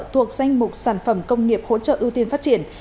thuộc danh mục sản phẩm công nghiệp hỗ trợ ưu tiên phát triển